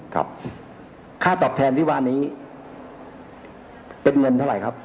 ครับค่าตอบแทนที่ว่านี้เป็นเงินเท่าไหร่ครับ